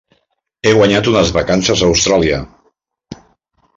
He guanyat unes vacances a Austràlia.